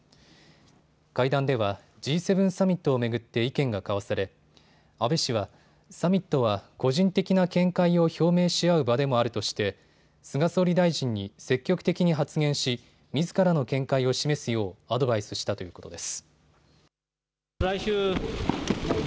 会談ではＧ７サミットを巡って意見が交わされ安倍氏はサミットは個人的な見解を表明し合う場でもあるとして菅総理大臣に積極的に発言しみずからの見解を示すようアドバイスしたということです。